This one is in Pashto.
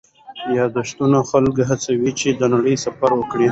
یادښتونه خلکو هڅول چې د نړۍ سفر وکړي.